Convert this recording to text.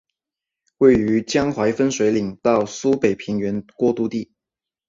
位于江淮分水岭到苏北平原过度地。